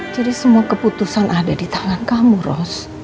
jadi semua keputusan ada di tangan kamu ros